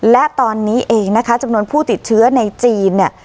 และตอนนี้เองนะคะจำนวนผู้ติดเชื้อในจีนเนี่ย